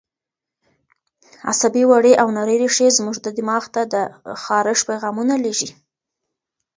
عصبي وړې او نرۍ رېښې زموږ دماغ ته د خارښ پیغامونه لېږي.